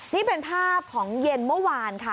นี่เป็นภาพของเย็นเมื่อวานค่ะ